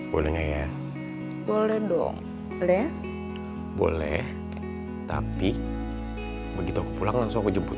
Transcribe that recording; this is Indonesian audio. boleh nggak ya boleh dong boleh boleh tapi begitu aku pulang langsung aku jemput